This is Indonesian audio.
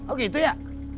oh gitu ya